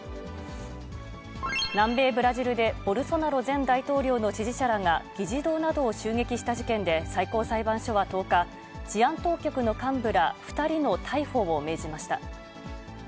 南米ブラジルで、ボルソナロ前大統領の支持者らが、議事堂などを襲撃した事件で最高裁判所は１０日、治安当局の幹部ら２人の逮捕を命じました。